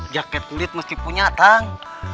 jaket kulit mesti punya tang